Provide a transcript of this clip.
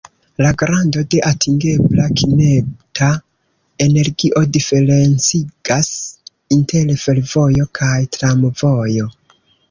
La grando de atingebla kineta energio diferencigas inter fervojo kaj tramvojo.